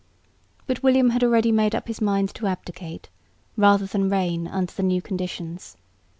But William had already made up his mind to abdicate, rather than reign under the new conditions.